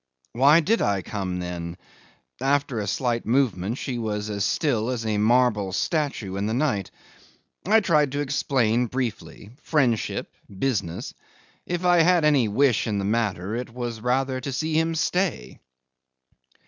'Why did I come, then? After a slight movement she was as still as a marble statue in the night. I tried to explain briefly: friendship, business; if I had any wish in the matter it was rather to see him stay.